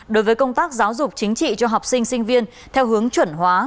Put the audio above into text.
đối với công tác giáo dục chính trị cho học sinh sinh viên theo hướng chuẩn hóa